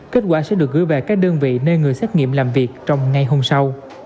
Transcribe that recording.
kết quả sẽ được gửi về các đơn vị nơi người xét nghiệm làm việc trong ngay hôm sau